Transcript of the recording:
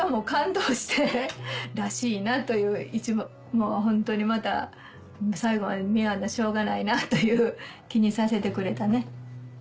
もうホントにまた最後まで見やんなしょうがないなという気にさせてくれたね。